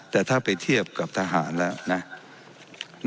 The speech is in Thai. แต่ถ้าไปเทียบกับทหารแล้วนะ